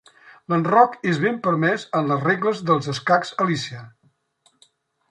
L'enroc és ben permès en les regles dels Escacs Alícia.